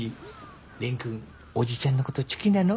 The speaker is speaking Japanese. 蓮くんおじちゃんのことちゅきなの？